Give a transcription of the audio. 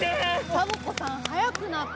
サボ子さんはやくなった。